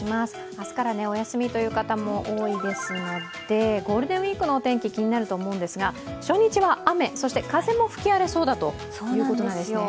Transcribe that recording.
明日からお休みという方も多いですのでゴールデンウイークのお天気気になると思うんですが初日は雨、そして風も吹き荒れそうだということですね。